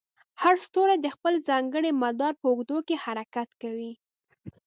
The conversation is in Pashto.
هر ستوری د خپل ځانګړي مدار په اوږدو کې حرکت کوي.